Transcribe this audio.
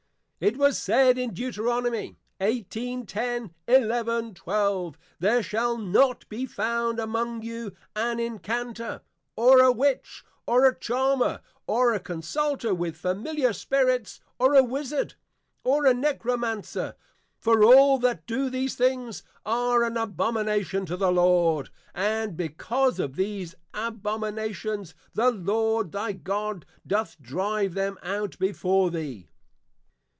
It was said in Deut. 18.10, 11, 12. _There shall not be found among you an Inchanter, or a Witch, or a Charmer, or a Consulter with Familiar Spirits, or a Wizzard, or a Necromancer; For all that do these things are an Abomination to the Lord, and because of these Abominations, the Lord thy God doth drive them out before thee.